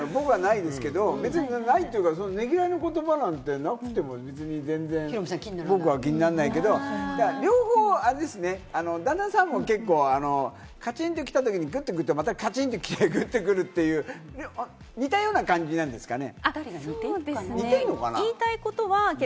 僕はないですけれども、労いの言葉なんてなくても別に全然、僕は気にならないけれども、両方あれですね、旦那さんも結構、カチンときたときに、グッてきて、またカチンときてグッとくるという似たような感じなんですかね。